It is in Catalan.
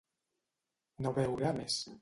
No beure més.